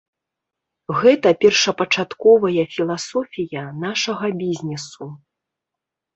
Гэта першапачатковая філасофія нашага бізнесу.